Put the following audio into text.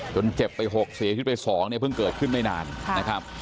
เจ็บไป๖เสียชีวิตไป๒เนี่ยเพิ่งเกิดขึ้นไม่นานนะครับ